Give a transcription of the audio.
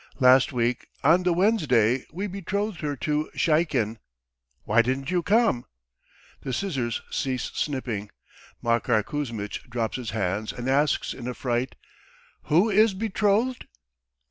Last week on the Wednesday we betrothed her to Sheikin. Why didn't you come?" The scissors cease snipping. Makar Kuzmitch drops his hands and asks in a fright: "Who is betrothed?"